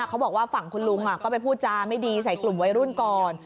เขาบอกว่าฝั่งคุณลุงก็ไปพูดจาไม่ดีใส่กลุ่มวัยรุ่นก่อน